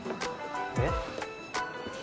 えっ？